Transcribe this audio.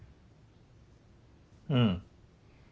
うん。